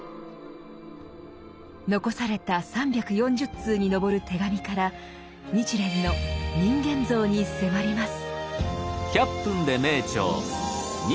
残された３４０通に上る手紙から日蓮の人間像に迫ります。